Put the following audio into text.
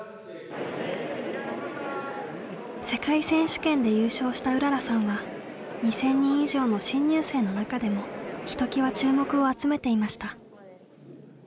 世界選手権で優勝したうららさんは２，０００人以上の新入生の中でもひときわ注目を集めていました。